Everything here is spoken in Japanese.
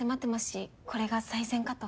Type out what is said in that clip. しこれが最善かと。